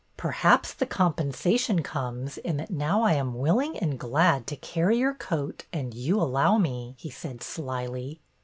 Perhaps the compensation comes in that now I am willing and glad to carry your coat and you allow me," he said slyly.